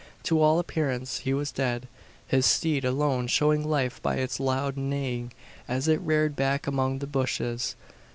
To all appearance he was dead his steed alone showing life by its loud neighing, as it reared back among the bushes.